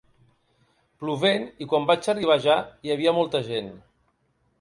Plovent i quan vaig arribar ja hi havia molta gent.